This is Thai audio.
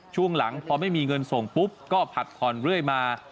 ช่วงหลังพอไม่มีเงินส่งปุ๊บก็ผัดผ่อนเรื่อยมา